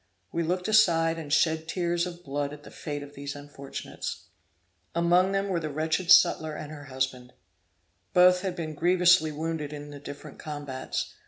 We looked aside and shed tears of blood at the fate of these unfortunates. Among them were the wretched sutler and her husband. Both had been grievously wounded in the different combats.